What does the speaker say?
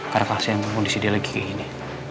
karena kasian kondisi dia lagi kayak gini